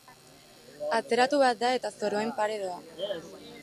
Atzeratu bat da eta zoroen pare doa.